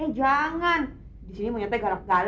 disini mau nyetek galak galak loh